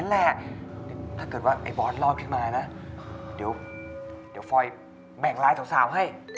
เดี๋ยวเดี๋ยวฟอยแบ่งเลยสาวให้